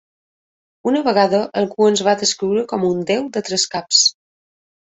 Una vegada algú ens va descriure com un déu de tres caps.